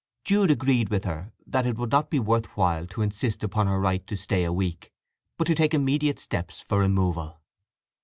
Jude agreed with her that it would not be worth while to insist upon her right to stay a week, but to take immediate steps for removal.